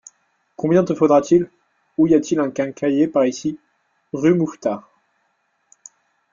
Combien te faudra-t-il ? Où y a-t-il un quincaillier par ici ? Rue Mouffetard.